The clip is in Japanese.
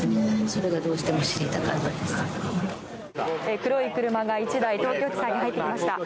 黒い車が１台東京地裁に入ってきました。